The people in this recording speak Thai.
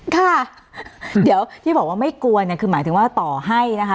ค่ะเดี๋ยวที่บอกว่าไม่กลัวเนี่ยคือหมายถึงว่าต่อให้นะคะ